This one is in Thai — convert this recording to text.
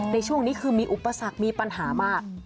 ในช่วงนี้คือมีอุปสรรคมีปัญหามาก